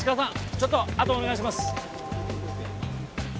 ちょっとあとお願いします。